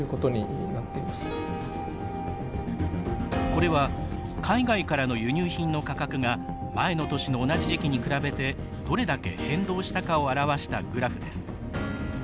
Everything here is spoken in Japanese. これは海外からの輸入品の価格が前の年の同じ時期に比べてどれだけ変動したかを表したグラフです。